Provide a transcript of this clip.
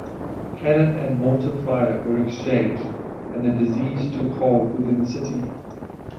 Cannon and mortar fire were exchanged, and disease took hold within the city.